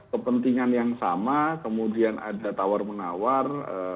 kepentingan yang sama kemudian ada tawar menawar